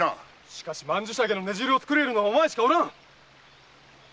しかし曼珠沙華の根汁を作れるのはお前しかおらん！